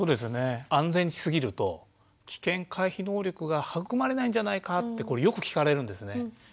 安全にしすぎると危険回避能力が育まれないんじゃないかってこれよく聞かれるんですね。